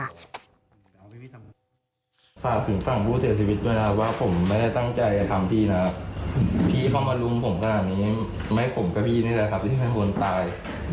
ฝากถึงฝั่งผู้เสียชีวิตด้วยนะครับว่าผมไม่ได้ตั้งใจจะทำพี่นะพี่เข้ามารุมผมขนาดนี้ไม่ผมกับพี่นี่แหละครับที่ข้างบนตาย